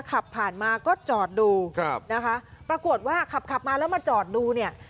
ขับผ่านมาก็จอดดูครับนะคะปรากฏว่าขับขับมาแล้วมาจอดดูเนี่ย